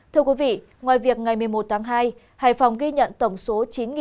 thưa quý vị ngoài việc ngày một mươi một tháng hai hải phòng ghi nhận tổng số chín sáu trăm linh